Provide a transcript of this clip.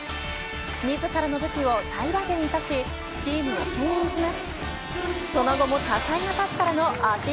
自らの武器を最大限に生かしチームをけん引します。